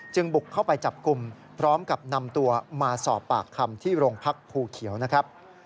บุกเข้าไปจับกลุ่มพร้อมกับนำตัวมาสอบปากคำที่โรงพักภูเขียวนะครับ